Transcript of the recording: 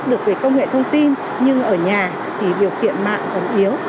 được về công nghệ thông tin nhưng ở nhà thì điều kiện mạng còn yếu